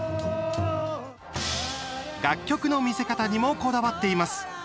楽曲の魅せ方にもこだわってます。